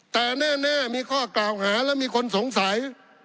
แต่แน่มีข้อกล่าวหาและมีคนสงสัย